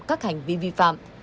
các hành vi vi phạm